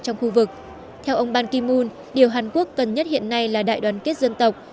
trong khu vực theo ông ban kim mun điều hàn quốc cần nhất hiện nay là đại đoàn kết dân tộc